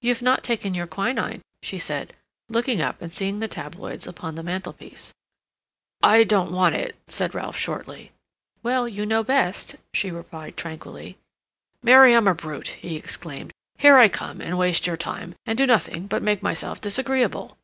"You've not taken your quinine," she said, looking up and seeing the tabloids upon the mantelpiece. "I don't want it," said Ralph shortly. "Well, you know best," she replied tranquilly. "Mary, I'm a brute!" he exclaimed. "Here I come and waste your time, and do nothing but make myself disagreeable."